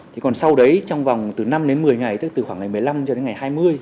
thì còn sau đấy trong vòng từ năm đến một mươi ngày tức từ khoảng ngày một mươi năm cho đến ngày hai mươi